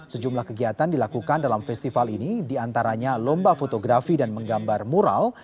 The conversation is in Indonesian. sejumlah kegiatan dilakukan dalam festival ini diantaranya lomba fotografi dan menggambar mural